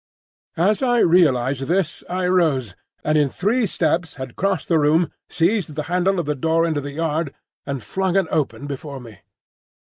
As I realised this I rose, and in three steps had crossed the room, seized the handle of the door into the yard, and flung it open before me.